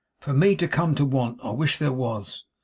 'For me to come to want. I wish there was!